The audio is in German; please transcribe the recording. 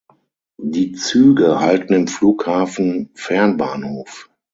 Die Züge halten im Flughafen Fernbahnhof.